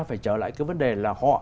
phải trở lại cái vấn đề là